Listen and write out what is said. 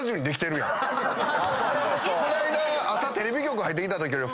この間朝テレビ局入ってきたとき。